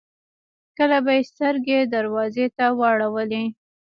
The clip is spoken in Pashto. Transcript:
کله به يې سترګې دروازې ته واړولې.